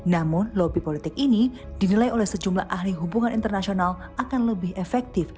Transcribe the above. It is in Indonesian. namun lobby politik ini dinilai oleh sejumlah ahli hubungan internasional akan lebih efektif